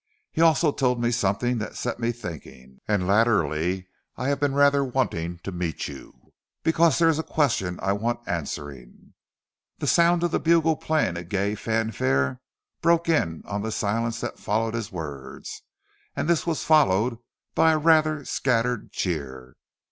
He also told me something that set me thinking, and latterly I have been rather wanting to meet you, because there is a question I want answering." The sound of the bugle playing a gay fanfare broke in on the silence that followed his words, and this was followed by a rather scattered cheer.